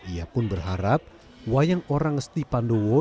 ia pun berharap wayang orang ngesti pandowo